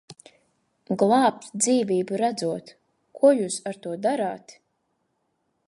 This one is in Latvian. Glābt dzīvību redzot, ko jūs ar to darāt?